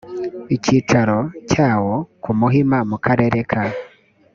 icyicaro cyawo ku muhima mu karere ka